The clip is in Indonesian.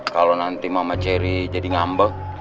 kalau nanti mama ceri jadi ngambek